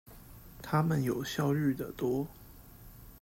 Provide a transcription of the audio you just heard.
他們有效率的多